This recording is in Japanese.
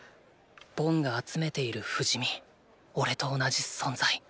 ボンが集めている不死身おれと同じ存在。